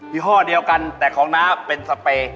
ี่ห้อเดียวกันแต่ของน้าเป็นสเปย์